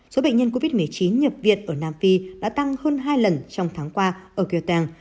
số bệnh nhân covid một mươi chín nhập việt ở nam phi đã tăng hơn hai lần trong tháng qua ở kieu teng